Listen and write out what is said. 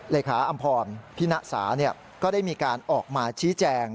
เลขาอำพรพิณสาก็ได้มีการออกมาชี้แจง